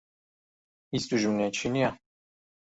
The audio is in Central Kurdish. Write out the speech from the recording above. هیچ دوژمنێکی نییە.